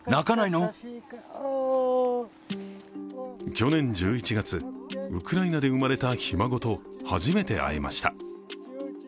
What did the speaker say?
去年１１月、ウクライナで生まれたひ孫と初めて会えました。